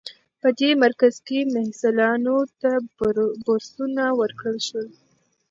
په دې مرکز کې محصلانو ته بورسونه ورکړل شول.